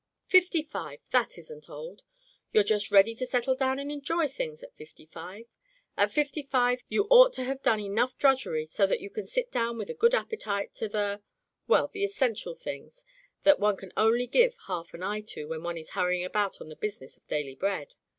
"Fifty five! That isn't old. You're just ready to settle down and enjoy things at fifty five. At fifty five you ought to have done enough drudgery so that you can sit down with a good appetite to the — well, the essen tial things that one can only give half an eye to while one is hurrying about on the busi ness of daily bread.